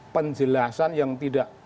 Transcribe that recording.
penjelasan yang tidak